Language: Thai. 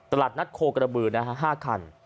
ตลาดนัดโคกระบือ๕คัน